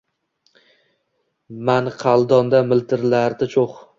Manqaldonda miltillardi cho’g’…